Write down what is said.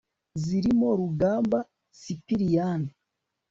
zirimo rugamba sipiriyani